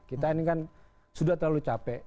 kita ini kan sudah terlalu capek